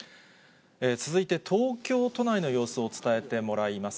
続いて東京都内の様子を伝えてもらいます。